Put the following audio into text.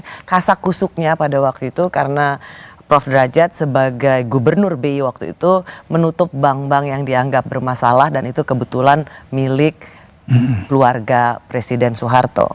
bagaimana kasakusuknya pada waktu itu karena prof derajat sebagai gubernur bi waktu itu menutup bank bank yang dianggap bermasalah dan itu kebetulan milik keluarga presiden soeharto